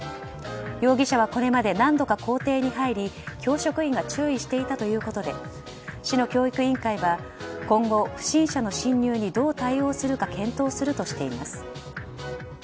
容疑者はこれまで何度か校庭に入り教職員が注意していたということで市の教育委員会は今後、不審者の侵入にどう対応するか検討するとしています。